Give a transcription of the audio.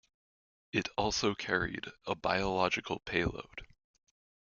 It also carried a biological payload.